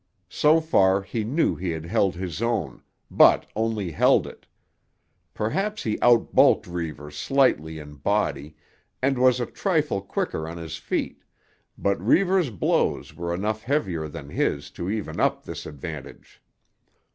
So far he knew he had held his own, but only held it. Perhaps he out bulked Reivers slightly in body and was a trifle quicker on his feet, but Reivers' blows were enough heavier than his to even up this advantage.